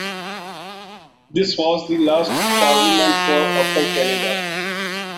This was the last parliament for Upper Canada.